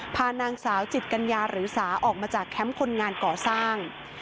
พานางสาวจิตกัญญาหรือสาออกมาจากแคมป์คนงานก่อสร้าง